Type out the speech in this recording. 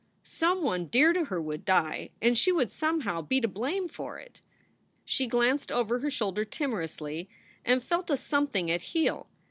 Some one dear to her would die, and she would somehow be to blame for it. She glanced over her shoulder timorously and felt a some thing at heel.